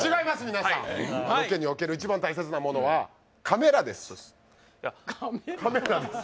皆さんロケにおける一番大切なモノはカメラカメラです